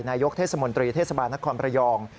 นายกเทศมนตรีเทศบาลนครประยอง